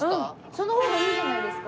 その方がいいじゃないですか。